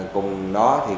cùng đó thì cũng